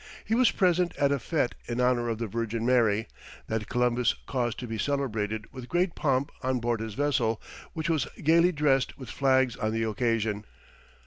He was present at a fête in honour of the Virgin Mary, that Columbus caused to be celebrated with great pomp on board his vessel, which was gaily dressed with flags on the occasion.